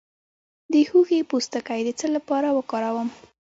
د هوږې پوستکی د څه لپاره وکاروم؟